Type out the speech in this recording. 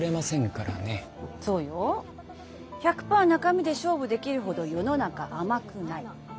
そうよ１００％中身で勝負できるほど世の中甘くない。